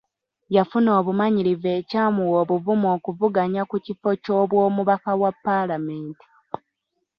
Yafuna obumanyirivu ekyamuwa obuvumu okuvuganya ku kifo ky'obwomubaka wa paalamenti.